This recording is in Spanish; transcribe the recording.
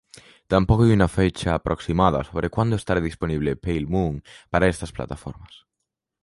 Tampoco hay una fecha aproximada sobre cuándo estará disponible Pale Moon para estas plataformas.